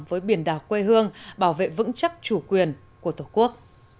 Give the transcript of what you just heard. với biển đảo quê hương bảo vệ vững chắc chủ quyền của tổ quốc